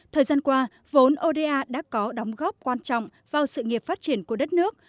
thời gian qua vốn oda đã có đóng góp quan trọng vào sự nghiệp phát triển của đất nước